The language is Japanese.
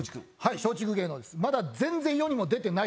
松竹芸能です。